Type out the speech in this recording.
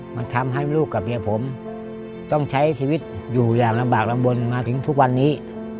มันทำให้ลูกกับเมียผมต้องใช้ชีวิตอยู่อย่างลำบากลำบลมาถึงทุกวันนี้